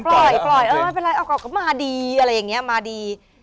ปล่อยปล่อยเออไม่เป็นไรเอาก็มาดีอะไรอย่างนี้มาดี